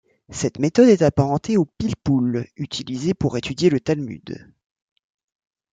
Cette méthode est apparentée au Pilpoul utilisé pour étudier le Talmud.